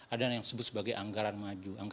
ada yang disebut sebagai anggaran maju